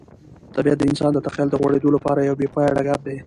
طبیعت د انسان د تخیل د غوړېدو لپاره یو بې پایه ډګر دی.